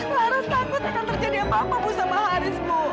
laras takut akan terjadi apa apa sama haris bu